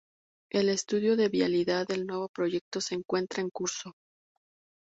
El estudio de viabilidad del nuevo proyecto se encuentra en curso.